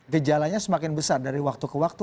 gejalanya semakin besar dari waktu ke waktu